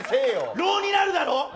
ローになるだろ？